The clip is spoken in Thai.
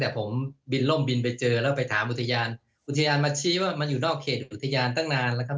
แต่ผมบินล่มบินไปเจอแล้วไปถามอุทยานอุทยานมาชี้ว่ามันอยู่นอกเขตอุทยานตั้งนานแล้วครับ